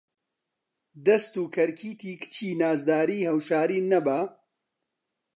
دەست و کەرکیتی کچی نازداری هەوشاری نەبا